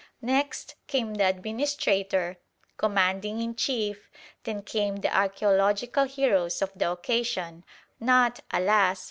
Next came the administrator, commanding in chief, then came the archæological heroes of the occasion (not, alas!